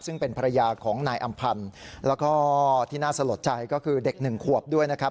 ซึ่งเป็นภรรยาของนายอำพันธ์แล้วก็ที่น่าสลดใจก็คือเด็กหนึ่งขวบด้วยนะครับ